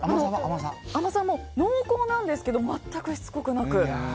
甘さも、濃厚なんですけど全くしつこくなく。